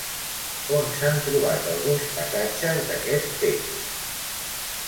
On s'han trobat alguns passatges d'aquest text?